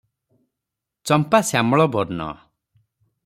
ଚମ୍ପା ଶ୍ୟାମଳ ବର୍ଣ୍ଣ ।